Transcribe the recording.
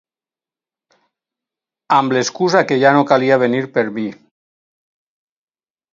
Amb l’excusa que ja no calia venir per mi.